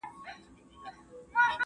هغه وويل چي موبایل کارول مهم دي!؟